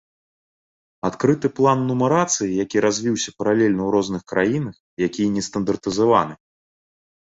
Адкрыты план нумарацыі, які развіўся паралельна ў розных краінах, якія не стандартызаваны.